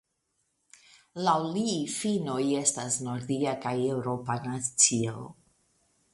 Laŭ li finnoj estas nordia kaj eŭropa nacio.